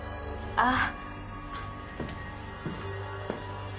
ああ。